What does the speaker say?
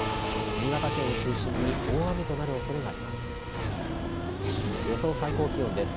新潟県を中心に大雨となるおそれがあります。